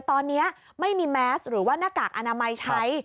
ตอนนี้ไม่มีแมสหรือว่าหน้ากากอนามัยใช้